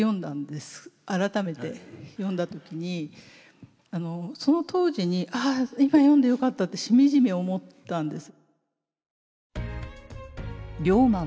改めて読んだ時にその当時に「あ今読んでよかった」ってしみじみ思ったんです。